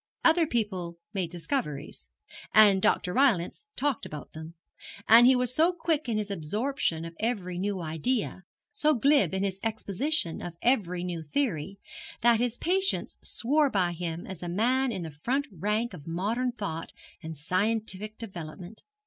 Other people made discoveries, and Dr. Rylance talked about them; and he was so quick in his absorption of every new idea, so glib in his exposition of every new theory, that his patients swore by him as a man in the front rank of modern thought and scientific development.